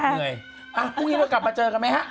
เหนื่อยพรุ่งนี้ก็กลับมาเจอกันไหมฮะ